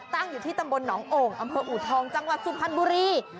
ตั้งอยู่ที่ตำบลหนองโอ่งอำเภออูทองจังหวัดสุพรรณบุรี